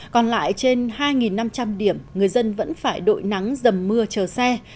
còn lại trên hai năm trăm linh điểm người dân vẫn phải đội nắng dầm mưa chờ xe